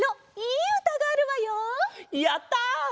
やった！